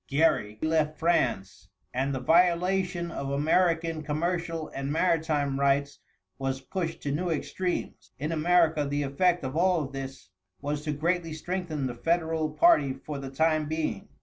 Gerry left France, and the violation of American commercial and maritime rights was pushed to new extremes. In America the effect of all of this was to greatly strengthen the Federal party for the time being.